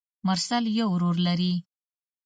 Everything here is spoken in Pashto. مرسل يو ورور لري.